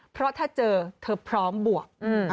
เพราะถ้าเจอเธอพร้อมบวก